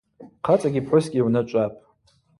Хъацӏакӏи пхӏвыскӏи гӏвначӏвапӏ.